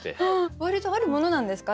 割とあるものなんですか？